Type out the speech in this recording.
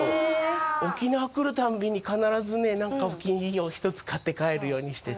沖縄来るたんびに必ずね何かお気に入りを１つ買って帰るようにしてて。